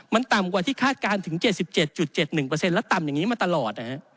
มันต่ำกว่าที่คาดการณ์ถึง๗๗๑และต่ำอย่างนี้มาตลอด